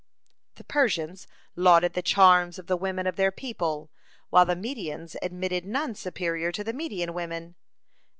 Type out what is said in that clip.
The Persians lauded the charms of the women of their people, while the Medians admitted none superior to the Median women.